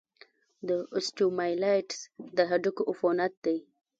د اوسټیومایلايټس د هډوکو عفونت دی.